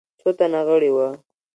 څو تنه غړي وه.